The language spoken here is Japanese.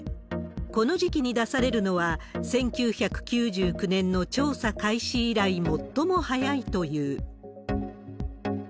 この時期に出されるのは、１９９９年の調査開始以来、最も早いという。